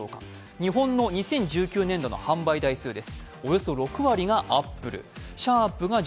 日本の２０１９年度の販売台数です。